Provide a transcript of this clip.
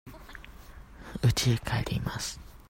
うちへ帰ります。